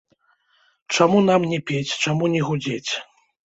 Чаму нам не пець, чаму не гудзець?!